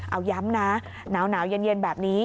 เอาย้ำนะหนาวเย็นแบบนี้